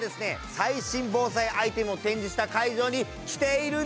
最新防災アイテムを展示した会場に来ているんですよ。